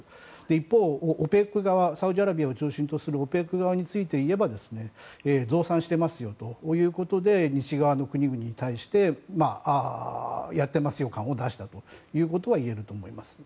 一方、ＯＰＥＣ側サウジアラビアを中心とするＯＰＥＣ側について言えば増産してますよということで西側の国々に対してやっていますよ感を出したということはいえると思います。